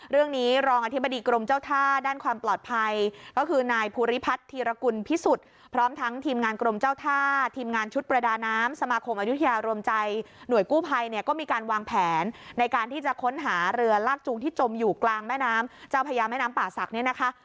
เรื่องนี้รองอธิบดีกรมเจ้าท่าด้านความปลอดภัยก็คือนายภูริพัฒน์ธีรกุลพิสุทธิ์พร้อมทั้งทีมงานกรมเจ้าท่าทีมงานชุดประดาน้ำสมาคมอายุทยารวมใจหน่วยกู้ภัยเนี่ยก็มีการวางแผนในการที่จะค้นหาเรือลากจูงที่จมอยู่กลางแม่น้ำเจ้าพญาแม่น้ำป่าศักดิ์เนี่ยนะคะ